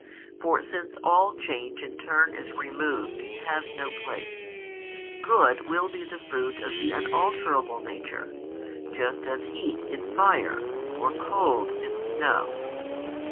For since all change and turn is removed and has no place, good will be the fruit of the unalterable Nature, just as heat in fire or cold in snow.